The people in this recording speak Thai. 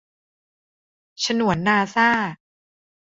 ฉนวนนาซ่า